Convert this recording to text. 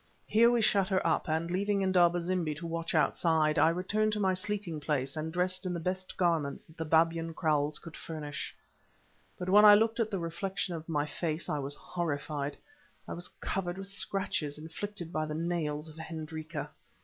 Here we shut her up, and, leaving Indaba zimbi to watch outside, I returned to my sleeping place and dressed in the best garments that the Babyan Kraals could furnish. But when I looked at the reflection of my face, I was horrified. It was covered with scratches inflicted by the nails of Hendrika.